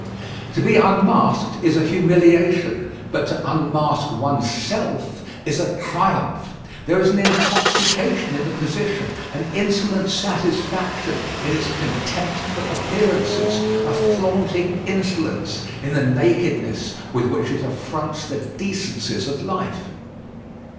To be unmasked is a humiliation; but to unmask one's self is a triumph. There is an intoxication in the position, an insolent satisfaction in its contempt for appearances, a flaunting insolence in the nakedness with which it affronts the decencies of life.